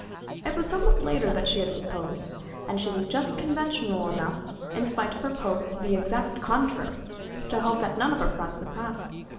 It was somewhat later than she had supposed, and she was just conventional enough, in spite of her pose to the exact contrary, to hope that none of her friends would pass.